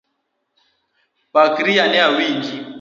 Pakri ane awinji.